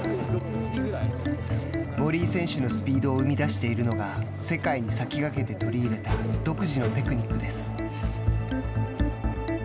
森井選手のスピードを生み出しているのが世界に先駆けて取り入れた独自のテクニックです。